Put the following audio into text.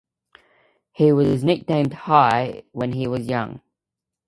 He was nicknamed "Hi" when he was young.